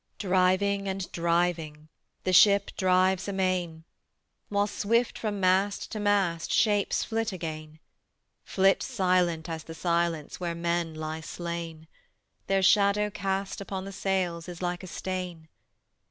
Driving and driving, The ship drives amain: While swift from mast to mast Shapes flit again, Flit silent as the silence Where men lie slain; Their shadow cast upon the sails Is like a stain.